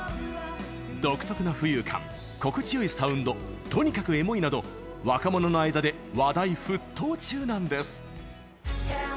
独特の浮遊感、心地よいサウンドとにかくエモいなど若者の間で話題沸騰中なんです。